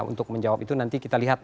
untuk menjawab itu nanti kita lihat